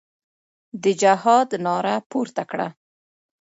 د جهاد ناره پورته کړه.